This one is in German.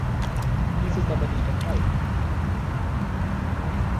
Dies ist aber nicht der Fall.